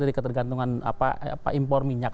dari ketergantungan impor minyak